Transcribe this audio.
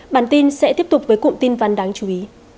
bản tin sẽ tiếp tục với cụm tin văn đáng chú ý